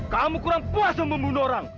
kamu kurang puasa membunuh orang